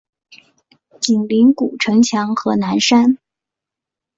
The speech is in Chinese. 紧邻古城墙和南山。